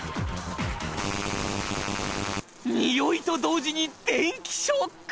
においと同時に電気ショック！